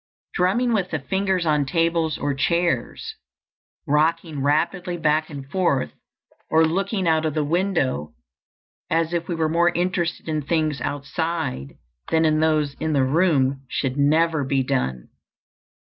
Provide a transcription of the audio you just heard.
Drumming with the fingers on tables or chairs, rocking rapidly back and forth, or looking out of the window, as if we were more interested in things outside than in those in the room, should never be done.